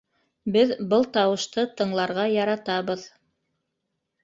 Беҙ был тауышты тыңларға яратабыҙ.